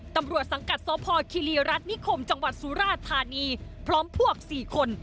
ตำรวจสังกัดสพคิรีรัฐนิคมจังหวัดสุราธานีพร้อมพวก๔คน